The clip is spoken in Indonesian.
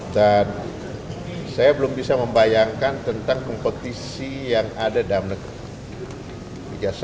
dan saya belum bisa membayangkan tentang kompetisi yang ada dalam negeri